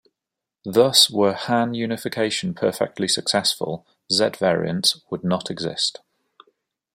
Thus, were Han unification perfectly successful, Z-variants would not exist.